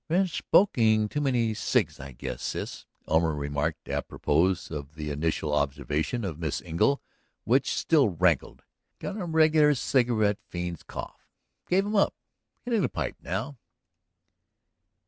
"Been smoking too many cigs, I guess, Sis," Elmer remarked apropos of the initial observation of Miss Engle which still rankled. "Got a regular cigarette fiend's cough. Gave 'em up. Hitting the pipe now."